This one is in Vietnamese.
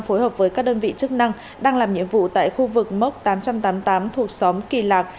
phối hợp với các đơn vị chức năng đang làm nhiệm vụ tại khu vực mốc tám trăm tám mươi tám thuộc xóm kỳ lạc